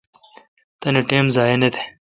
تانی ٹیم ضایع نہ تہ